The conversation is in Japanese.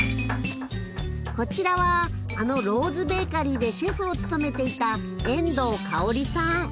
こちらはあのローズベーカリーでシェフを務めていた遠藤カホリさん。